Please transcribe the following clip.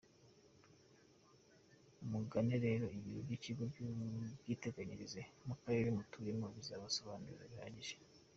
Mugane rero Ibiro by’Ikigo cy’Ubwiteganyirize mu karere mutuyemo bizabasobanurira bihagije.